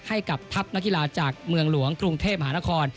ให้กับทัพนักกีฬาจากเมืองหลวงกรุงเทพมหานคร